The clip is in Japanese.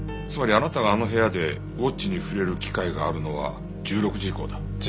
つまりあなたがあの部屋でウォッチに触れる機会があるのは１６時以降だ。